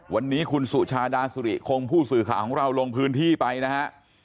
วันนี้คุณสุชาดาสุริคงผู้สื่อข่าวของเราลงพื้นที่ไปนะฮะ